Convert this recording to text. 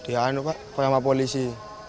di atas pak sama polisi